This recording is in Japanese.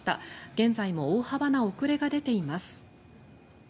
現在も大幅な遅れが出ています。